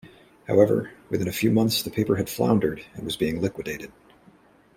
However, within a few months the paper had floundered and was being liquidated.